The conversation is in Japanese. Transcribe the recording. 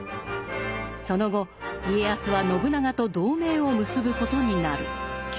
その後家康は信長と同盟を結ぶことになる。